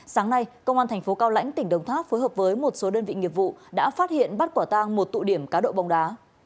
sáng nay công an thành phố cao lãnh tỉnh đồng tháp phối hợp với một số đơn vị nghiệp vụ đã phát hiện bắt quả tang một tụ điểm cá độ bóng đá